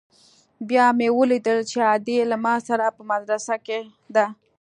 بيا مې وليدل چې ادې له ما سره په مدرسه کښې ده.